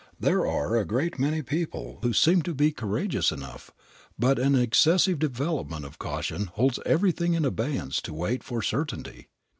There are a great many people who seem to be courageous enough, but an excessive development of caution holds everything in abeyance to wait for certainty.